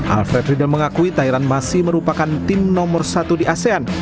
alfred riedel mengakui thailand masih merupakan tim nomor satu di asean